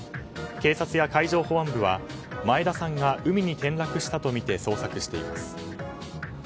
警察や海上保安部は前田さんが海に転落したとみて捜索しています。